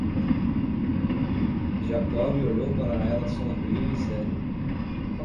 Jakob olhou para ela sombrio e sério.